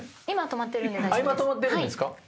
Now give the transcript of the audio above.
今止まってるんですか？